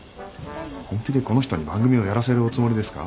本気でこの人に番組をやらせるおつもりですか？